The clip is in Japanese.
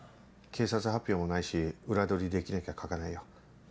警察発表もないし裏取りできなきゃ書かないよ。